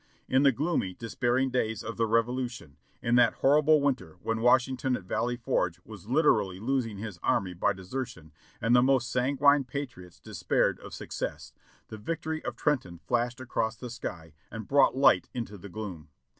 In the gloomy, despairing days of the Revolution, in that horrible winter when Washington at Valley Forge was literally losing his army by desertion and the most sanguine patriots despaired of success, the victory of Trenton flashed across the sky and brought light into the gloom.